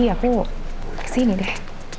aku kesini deh